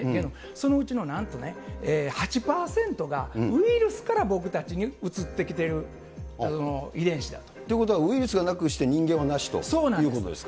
そのうちのなんとね、８％がウイルスから僕たちにうつってきてる遺伝子だと。ということは、ウイルスなくして人間はなしということですか。